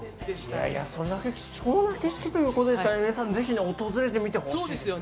そんな貴重な景色ということですから、皆さん、ぜひ訪れてみてほしいですね。